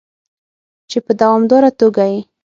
چې په دوامداره توګه یې